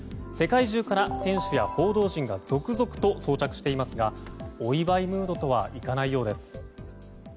世界中から選手や報道陣が続々と到着していますがお祝いムードとはいかないようです。